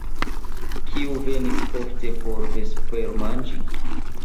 Kiu venis ofte por vespermanĝi?